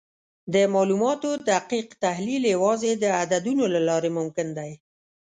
د معلوماتو دقیق تحلیل یوازې د عددونو له لارې ممکن دی.